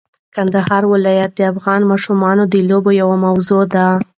د کندهار ولایت د افغان ماشومانو د لوبو یوه موضوع ده.